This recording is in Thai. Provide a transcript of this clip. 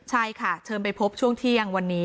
ใช่ค่ะเชิญไปพบช่วงเที่ยงวันนี้